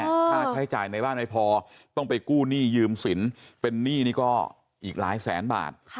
ค่าใช้จ่ายในบ้านในพอต้องไปกู้หนี้ยืมสินเป็นหนี้นี่ก็อีกหลายแสนบาท